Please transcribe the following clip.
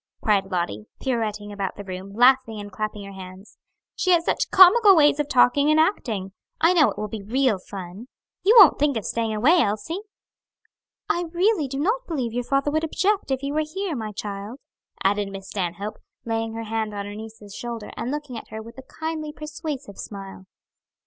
cried Lottie, pirouetting about the room, laughing and clapping her hands; "she has such comical ways of talking and acting. I know it will be real fun. You won't think of staying away, Elsie?" "I really do not believe your father would object, if he were here, my child," added Miss Stanhope, laying her hand on her niece's shoulder and looking at her with a kindly persuasive smile.